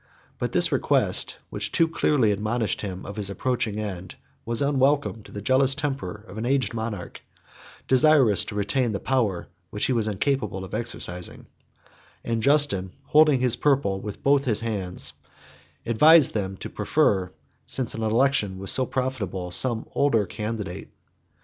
But this request, which too clearly admonished him of his approaching end, was unwelcome to the jealous temper of an aged monarch, desirous to retain the power which he was incapable of exercising; and Justin, holding his purple with both his hands, advised them to prefer, since an election was so profitable, some older candidate.